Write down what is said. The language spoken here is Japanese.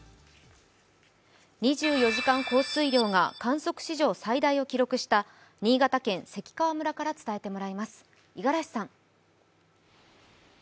２４時間降水量が観測史上最大を記録した新潟県関川村から伝えてもらいます。